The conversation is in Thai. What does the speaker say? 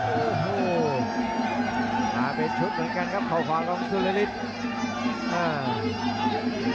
โอ้โหหาเป็นชุดเหมือนกันครับเข้าขวางของสุรินทราชัย